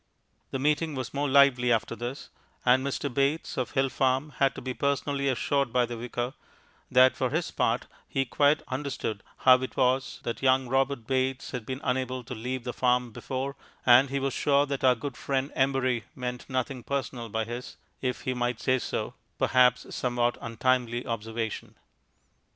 The meeting was more lively after this, and Mr. Bates, of Hill Farm, had to be personally assured by the Vicar that for his part he quite understood how it was that young Robert Bates had been unable to leave the farm before, and he was sure that our good friend Embury meant nothing personal by his, if he might say so, perhaps somewhat untimely observation.